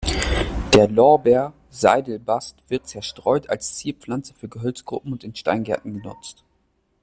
Der Lorbeer-Seidelbast wird zerstreut als Zierpflanze für Gehölzgruppen und in Steingärten genutzt.